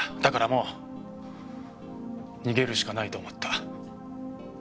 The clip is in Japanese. だからもう逃げるしかないと思った。